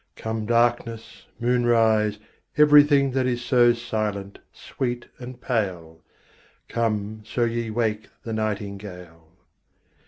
Come darkness, moonrise, every thing That is so silent, sweet, and pale: Come, so ye wake the nightingale.